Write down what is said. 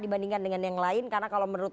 dibandingkan dengan yang lain karena kalau menurut